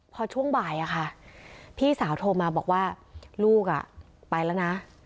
พอช่วงบ่ายพี่สาวโทรมาบอกว่าลูกไปแล้วนะ